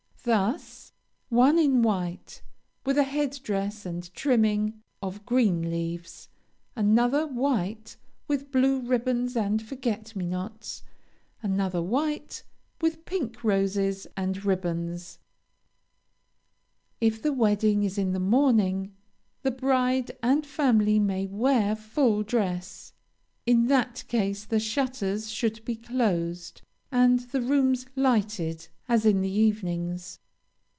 Thus, one in white, with a head dress and trimming of green leaves; another, white, with blue ribbons and forget me nots; another, white, with pink roses and ribbons. If the wedding is in the morning, the bride and family may wear full dress; in that case the shutters should be closed and the rooms lighted as in the evenings.